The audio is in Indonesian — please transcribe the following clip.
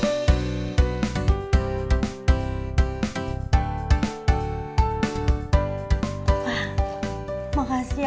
aku akan ikut